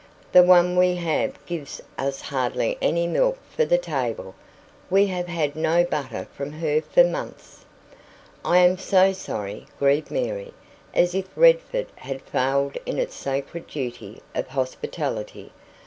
The one we have gives us hardly enough milk for the table; we have had no butter from her for months." "I am so sorry," grieved Mary, as if Redford had failed in its sacred duty of hospitality.